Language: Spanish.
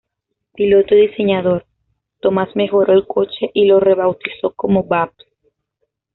Piloto y diseñador, Thomas mejoró el coche y lo rebautizó como "Babs".